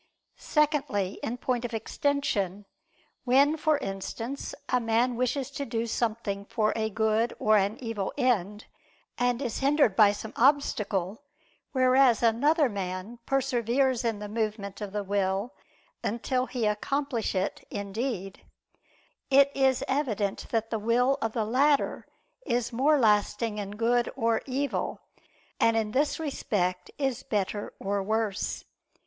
Secondly, in point of extension: when, for instance, a man wishes to do something for a good or an evil end, and is hindered by some obstacle, whereas another man perseveres in the movement of the will until he accomplish it in deed; it is evident that the will of the latter is more lasting in good or evil, and in this respect, is better or worse.